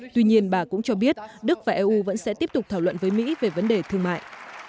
tuy nhiên bà cũng cho biết đức và eu vẫn sẽ tiếp tục thảo luận với mỹ về vấn đề thương mại